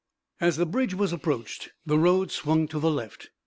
As the bridge was approached the road swung to the left.